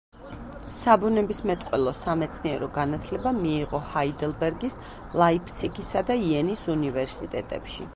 საბუნებისმეტყველო სამეცნიერო განათლება მიიღო ჰაიდელბერგის, ლაიფციგისა და იენის უნივერსიტეტებში.